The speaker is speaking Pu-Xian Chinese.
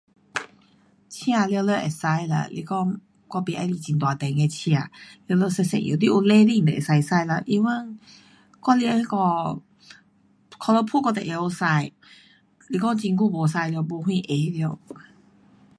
车全部会驾的啦，是讲我不喜欢很大辆的车。全部一一样，你有 lesen 就会使的了，even 我连那个脚车噗我都会晓驾，是讲很久没有驾了,没什会了。